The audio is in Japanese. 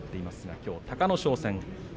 きょうは隆の勝戦です。